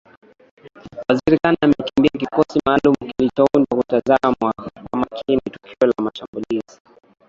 waziri khan amekimbia kikosi maalum kilichoundwa kutazamwa kwa makini tukio la mashambulizi